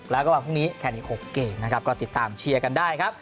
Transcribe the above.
แล้วก็วันพรุ่งนี้แข่งอีก๖เกมนะครับก็ติดตามเชียร์กันได้ครับ